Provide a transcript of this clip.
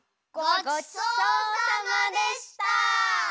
ごちそうさまでした！